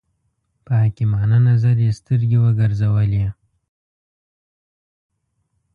په حکیمانه نظر یې سترګې وګرځولې.